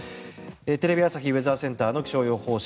テレビ朝日ウェザーセンターの気象予報士